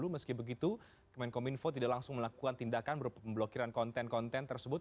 meski begitu kemenkom info tidak langsung melakukan tindakan berpemblokiran konten konten tersebut